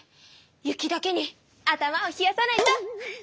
雪だけに頭を冷やさないと！